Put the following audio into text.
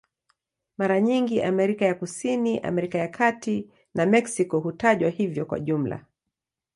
Mara nyingi Amerika ya Kusini, Amerika ya Kati na Meksiko hutajwa hivyo kwa jumla.